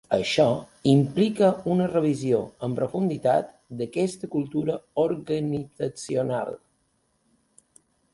Això implica una revisió amb profunditat d'aquesta cultura organitzacional.